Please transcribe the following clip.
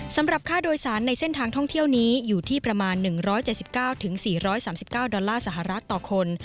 สำหรับค่าโดยสารในเส้นทางท่องเที่ยวนี้อยู่ที่ประมาณ๑๗๙๔๓๙ดอลลาร์สหรัฐต่อคน